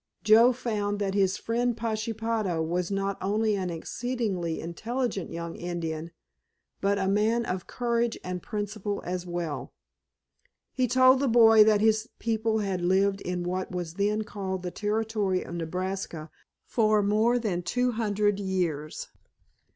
Joe found that his friend Pashepaho was not only an exceedingly intelligent young Indian, but a man of courage and principle as well. He told the boy that his people had lived in what was then called the Territory of Nebraska for more than two hundred years.